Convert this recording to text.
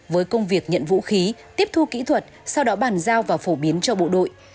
với công việc nhận vũ khí tiếp thu kỹ thuật sau đó bàn giao và phổ biến cho bộ đội